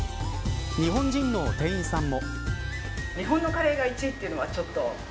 日本人の店員さんも。